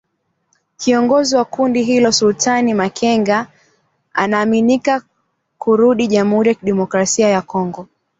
Kiongozi wa kundi hilo Sultani Makenga anaaminika kurudi Jamhuri ya Kidemokrasia ya Kongo